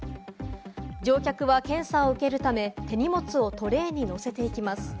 乗客は検査を受けるため手荷物をトレーにのせていきます。